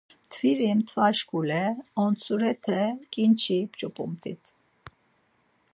Mtviri mtva şǩule ontsurete ǩinçi p̌ç̌opumt̆it.